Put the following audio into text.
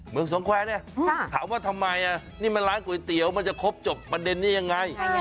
เมืองสงแควร์เนี่ยถามว่าทำไมนี่มันร้านก๋วยเตี๋ยวมันจะครบจบประเด็นนี้ยังไง